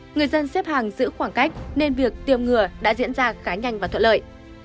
người dân xếp hàng giữ khoảng cách nên việc tiêm ngừa đã diễn ra khá nhanh và thuận lợi